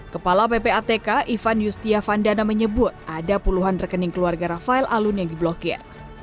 kepala ppatk ivan yustiavandana menyebut ada puluhan rekening keluarga rafael alun yang diblokir